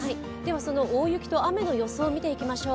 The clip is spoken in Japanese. その大雪と雨の予想見ていきましょう。